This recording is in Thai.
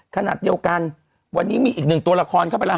ขณะเดียวกันวันนี้มีอีกหนึ่งตัวละครเข้าไปแล้ว